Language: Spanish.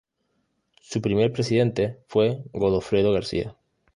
Su primer presidente fue Godofredo García.